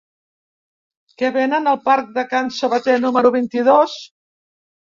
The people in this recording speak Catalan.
Què venen al parc de Can Sabater número vint-i-dos?